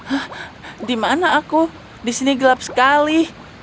hah dimana aku disini gelap sekali